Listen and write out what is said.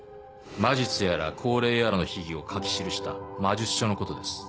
魔術やら降霊やらの秘技を書き記した魔術書のことです。